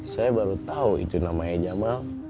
saya baru tahu itu namanya jamal